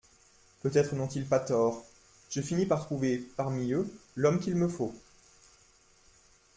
Peut-être n'ont-ils pas tort … Je finis par trouver, parmi eux, l'homme qu'il me faut.